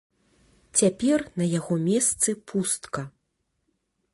Цяпер на яго месцы пустка.